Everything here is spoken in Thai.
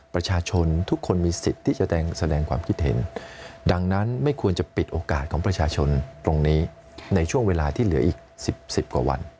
ประชาชนทุกคนมีสิทธิ์ที่จะแสดงความคิดเห็นดังนั้นไม่ควรจะปิดโอกาสของประชาชนตรงนี้ในช่วงเวลาที่เหลืออีก๑๐กว่าวัน